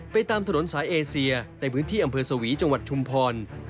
ตามถนนสายเอเซียในพื้นที่อำเภอสวีจังหวัดชุมพร